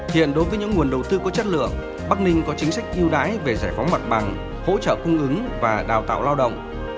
hiện đối với những nguồn đầu tư có chất lượng bắc ninh có chính sách yêu đái về giải phóng mặt bằng hỗ trợ cung ứng và đào tạo lao động